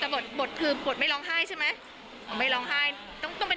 บทธรรมดาเราเล่นอย่างงี้